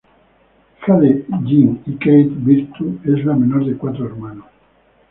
Hija de Jim y Kate Virtue, es la menor de cuatro hermanos.